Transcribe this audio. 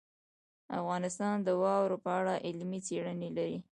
افغانستان د واوره په اړه علمي څېړنې لري.